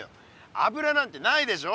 油なんてないでしょ。